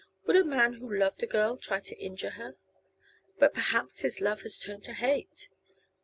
"Would a man who loved a girl try to injure her? But perhaps his love has turned to hate.